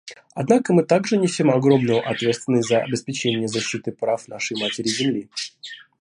Однако мы также несем огромную ответственность за обеспечение защиты прав нашей Матери-Земли.